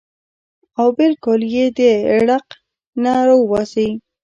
او بالکل ئې د ړق نه اوباسي -